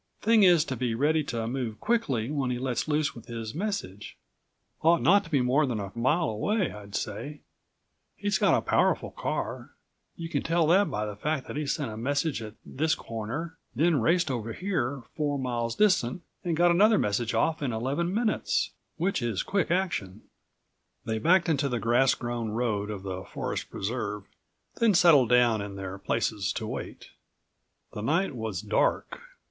Thing is to be ready to move quickly when he lets loose with his message. Ought not to be more than a mile away, I'd say. He's got a powerful car. You can tell that by the fact that he sent a message at this corner, then raced over here, four miles distant, and got another message off in eleven minutes, which is quick action."59 They backed into the grass grown road of the Forest Preserve, then settled down in their places to wait. The night was dark.